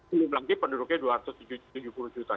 belum lagi penduduknya dua ratus tujuh puluh juta